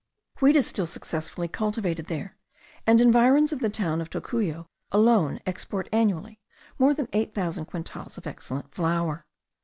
Wheat is still successfully cultivated there, and the environs of the town of Tocuyo alone export annually more than eight thousand quintals of excellent flour.